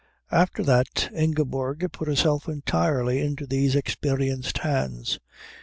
After that Ingeborg put herself entirely into these experienced hands.